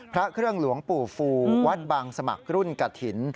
พระเครื่องหลวงปู่ฟูวัดบางสมัครรุ่นกฐิน